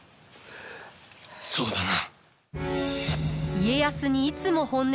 そうだな。